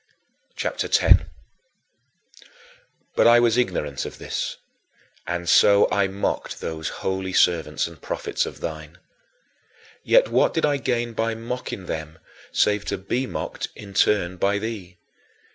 CHAPTER X 18. But I was ignorant of all this, and so I mocked those holy servants and prophets of thine. Yet what did I gain by mocking them save to be mocked in turn by thee?